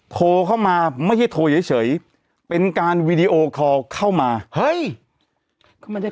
โทรเข้ามาไม่ใช่โทรเฉยเป็นการวีดีโอคอลเข้ามาเฮ้ยก็ไม่ได้